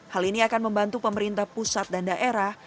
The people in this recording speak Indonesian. hal ini akan membantu pemerintah pusat dan daerah